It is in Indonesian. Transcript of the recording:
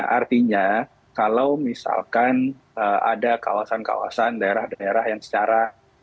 artinya kalau misalkan ada kawasan kawasan daerah daerah yang secara